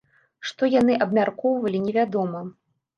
Што яны абмяркоўвалі, невядома.